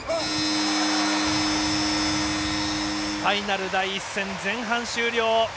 ファイナル第１戦前半終了。